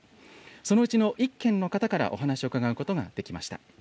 そのうちの１軒の方からお話を伺うことができました。